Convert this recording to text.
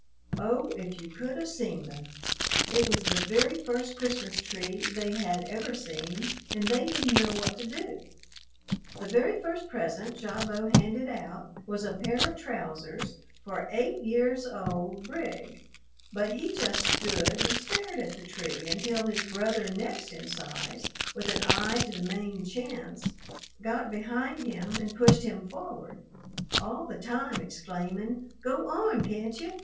Oh, if you could have seen them! It was the very first Christmas tree they had ever seen and they didn't know what to do. The very first present Gavotte handed out was a pair of trousers for eight years old Brig, but he just stood and stared at the tree until his brother next in size, with an eye to the main chance, got behind him and pushed him forward, all the time exclaiming, "Go on, can't you!